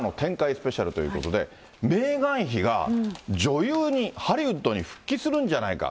スペシャルということで、メーガン妃が女優に、ハリウッドに復帰するんじゃないか。